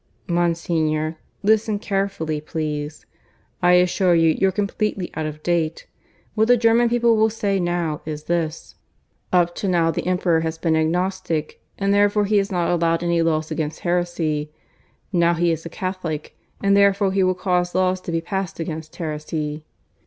"Monsignor, listen carefully, please. I assure you you're completely out of date. What the German people will say now is this: 'Up to now the Emperor has been agnostic, and therefore he has not allowed any laws against heresy. Now he is a Catholic, and therefore he will cause laws to be passed against heresy.'"